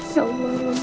ya allah bening